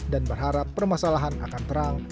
dan berharap permasalahan akan terang